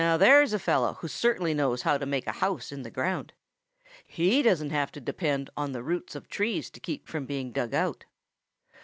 There's a fellow who certainly knows how to make a house in the ground. He doesn't have to depend on the roots of trees to keep from being dug out.